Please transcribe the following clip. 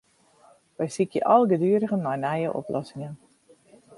Wy sykje algeduerigen nei nije oplossingen.